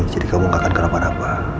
jadi kamu gak akan kenapa napa